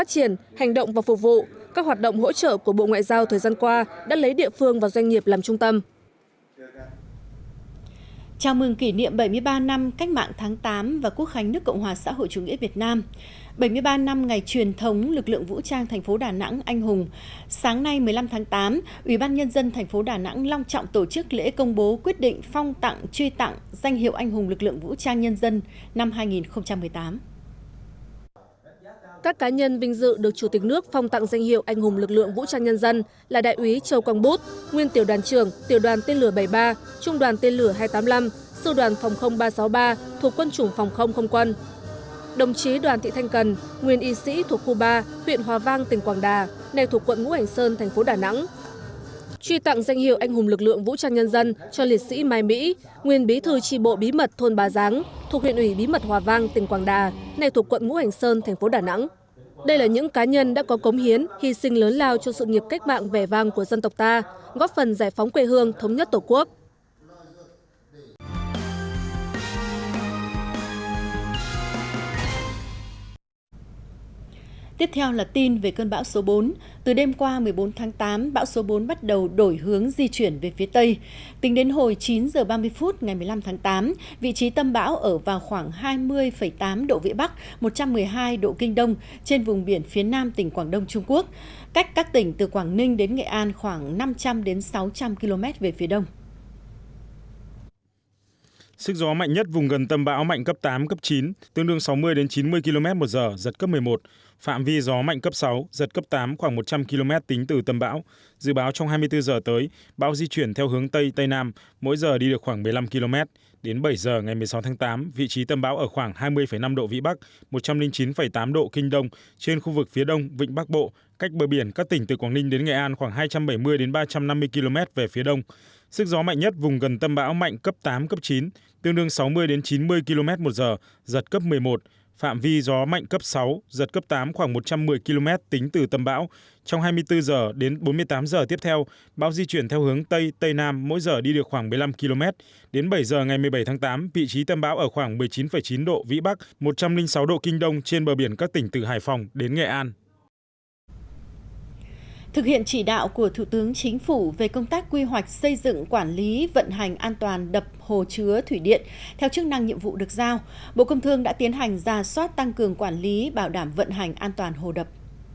thực hiện chỉ đạo của thủ tướng chính phủ về công tác quy hoạch xây dựng quản lý vận hành an toàn đập hồ chứa thủy điện theo chức năng nhiệm vụ được giao bộ công thương đã tiến hành ra soát tăng cường quản lý bảo đảm vận hành an toàn hồ đập